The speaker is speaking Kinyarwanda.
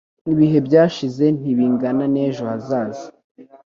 Ibihe byashize ntibingana n'ejo hazaza.